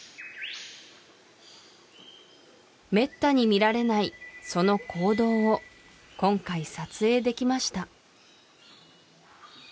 めったに見られないその行動を今回撮影できました